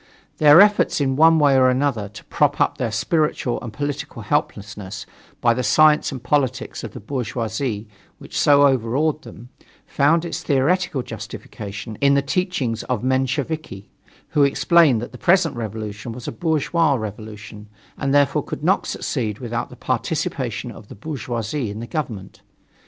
Their efforts in one way or another to prop up their spiritual and political helplessness by the science and politics of the bourgeoisie which so overawed them, found its theoretical justification in the teachings of the Mensheviki, who explained that the present revolution was a bourgeois revolution, and therefore could not succeed without the participation of the bourgeoisie in the government.